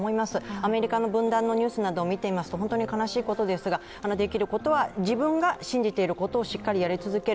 アメリカの分断のニュースなどを見ていますと本当に悲しいことですができることは自分が信じていることをしっかりやり続ける。